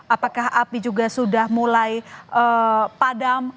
apakah api juga sudah mulai padam